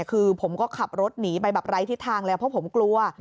คือผมก็ขับรถหนีไปแบบไร้ทิศทางแล้วเพราะผมกลัว